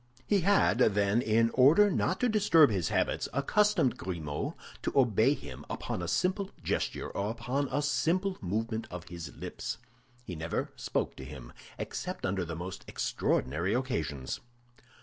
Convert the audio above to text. He had, then, in order not to disturb his habits, accustomed Grimaud to obey him upon a simple gesture or upon a simple movement of his lips. He never spoke to him, except under the most extraordinary occasions.